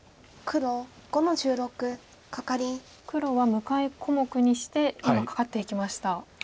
黒は向かい小目にして今カカっていきました。